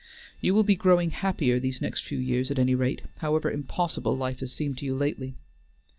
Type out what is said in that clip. You will be growing happier these next few years at any rate, however impossible life has seemed to you lately."